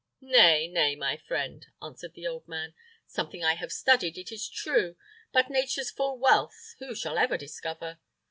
"Nay, nay, my friend," answered the old man; "something I have studied, it is true; but nature's full wealth who shall ever discover?